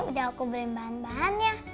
udah aku beliin bahan bahannya